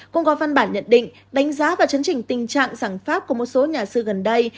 cũng có văn bản nhận định đánh giá và chấn trình tình trạng rằng pháp của một số nhà sư gần đây